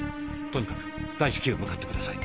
とにかく大至急向かってください。